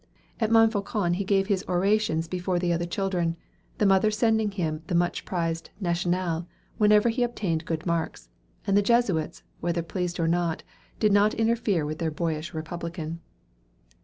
At Monfaucon, he gave his orations before the other children, the mother sending him the much prized "National" whenever he obtained good marks, and the Jesuits, whether pleased or not, did not interfere with their boyish republican.